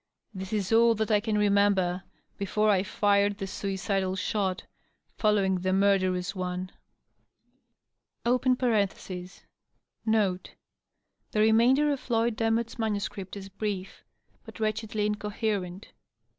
.. This is all that I can remember before I fired the suicidal shot^ following the murderous one. .• {Note, — ^The remainder of Floyd Demotte^s manuscript is brief, but wretchedly incoherent.